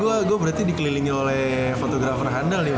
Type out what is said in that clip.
f o a gua berarti dikelilingi oleh fotografer handal nih